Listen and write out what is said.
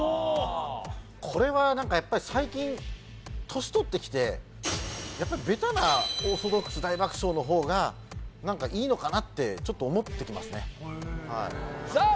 これは何かやっぱり最近年とってきてやっぱりベタなオーソドックス大爆笑の方が何かいいのかなってちょっと思ってきますねさあ